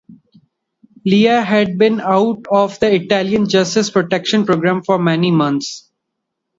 Lea had been out of the Italian justice protection program for many months.